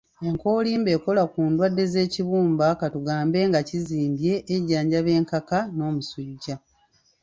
Enkoolimbo ekola ku ndwadde z'ekibumba, katugambe nga kizimbye, ejjanjaba enkaka, n'omusujja.